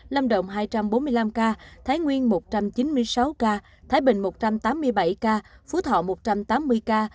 lâm đồng hai trăm bốn mươi năm ca thái nguyên một trăm chín mươi sáu ca thái bình một trăm tám mươi bảy ca phú thọ một trăm tám mươi ca